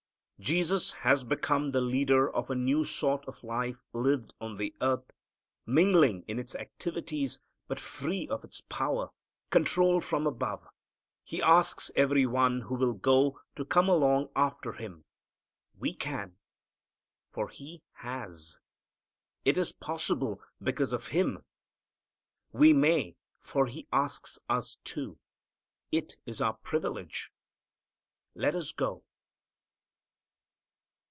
Jesus has become the leader of a new sort of life lived on the earth, mingling in its activities, but free of its power, controlled from above. He asks every one who will to come along after Him. We can, for He has. It is possible, because of Him. We may, for He asks us to. It is our privilege. Let us go.